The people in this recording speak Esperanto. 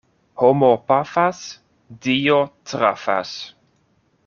Homo pafas, Dio trafas.